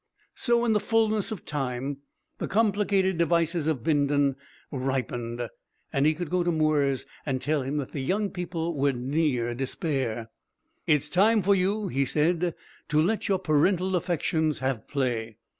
So in the fullness of time the complicated devices of Bindon ripened, and he could go to Mwres and tell him that the young people were near despair. "It's time for you," he said, "to let your parental affections have play.